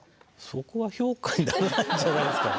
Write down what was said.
そこは評価にならないんじゃないですかね。